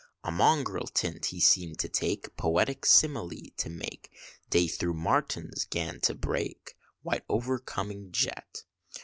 A mongrel tint he seemed to take, Poetic simile to make, DAY through his MARTIN 'gan to break, White overcoming jet.